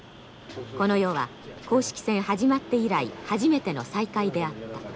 この夜は公式戦始まって以来初めての再会であった。